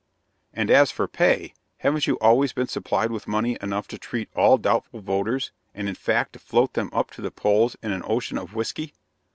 And as for 'pay,' haven't you always been supplied with money enough to treat all doubtful voters, and in fact to float them up to the polls in an ocean of whiskey?